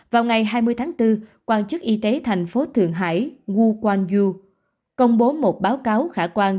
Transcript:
vào ngày hai mươi tháng bốn quan chức y tế thành phố thượng hải wu guangyu công bố một báo cáo khả quan